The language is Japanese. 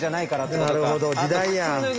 なるほど時代や。